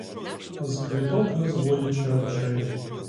З квіток не зводячи очей.